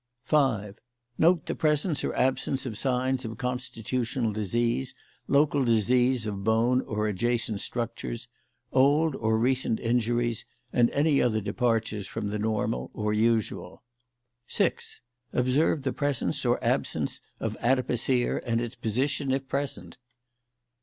5. Note the presence or absence of signs of constitutional disease, local disease of bone or adjacent structures, old or recent injuries, and any other departures from the normal or usual. 6. Observe the presence or absence of adipocere and its position, if present.